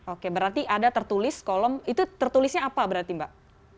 oke berarti ada tertulis kolom itu tertulisnya apa berarti mbak